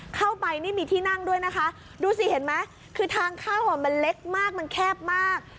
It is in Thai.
เข้าไปนี่มีที่นั่งด้วยนะคะดูสิเห็นไหมคือทางเข้ามันเล็กมากมันแคบมาก